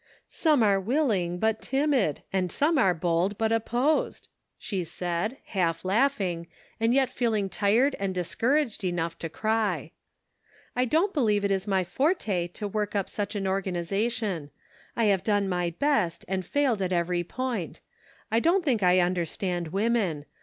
" Some are willing, but timid ; and some pre bold, but opposed," she said, half laughing Seed Sown on Thorny Ground. 281 and yet feeling tired and discouraged enough to cry. " I don't believe it is my forte to work up such an organization. I have done my best, and failed at every point. I don't think I understand women.